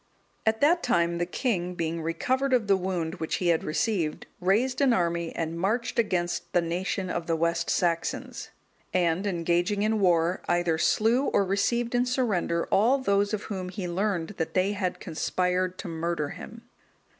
(216) At that time, the king, being recovered of the wound which he had received, raised an army and marched against the nation of the West Saxons; and engaging in war, either slew or received in surrender all those of whom he learned that they had conspired to murder him.